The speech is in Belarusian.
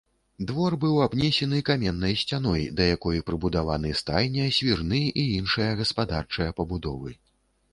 Двор быў абнесены каменнай сцяной, да якой прыбудаваны стайня, свірны і іншыя гаспадарчыя пабудовы.